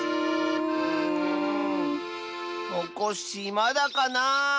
おこっしぃまだかなあ。